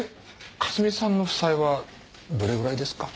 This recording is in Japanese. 香澄さんの負債はどれぐらいですか？